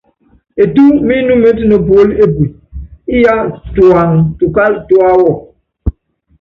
Ɛtú mínúmítɛ nopuóli epue, iyá, tuáŋtukal tuáwɔ!